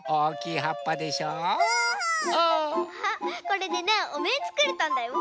これでねおめんつくれたんだよ。